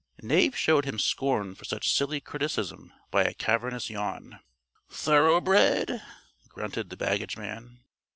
Knave showed his scorn for such silly criticism by a cavernous yawn. "Thoroughbred?" grunted the baggage man.